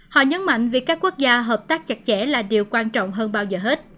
họ nhấn mạnh việc các quốc gia hợp tác chặt chẽ là điều quan trọng hơn bao giờ hết